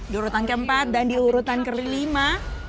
diurutan keempat dan diurutan kelima